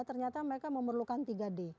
ternyata mereka memerlukan tiga d